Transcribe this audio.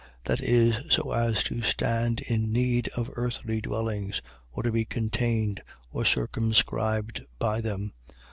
.That is, so as to stand in need of earthly dwellings, or to be contained, or circumscribed by them.